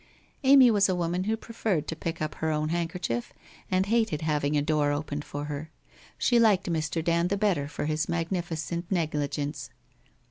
Amy was a woman who preferred to pick up her own handkerchief, and hated having a door opened for her. She liked Mr. Dand the better for his magnificent negligence.